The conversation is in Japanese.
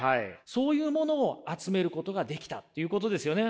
そういうものを集めることができたということですよね。